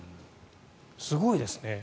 すごいですね。